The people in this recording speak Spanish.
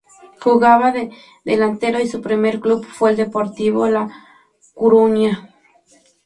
Jugaba de delantero y su primer club fue el Deportivo La Coruña.